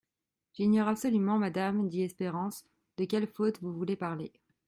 J'ignore absolument, madame, dit Espérance, de quelle faute vous voulez parler.